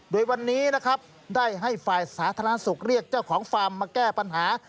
โดยวันนี้นะครับได้ให้ฝ่ายสาธารณสุขเรียกเจ้าของฟาร์มมาแก้ปัญหา